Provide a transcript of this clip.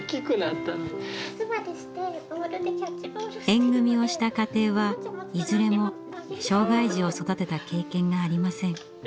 縁組をした家庭はいずれも障害児を育てた経験がありません。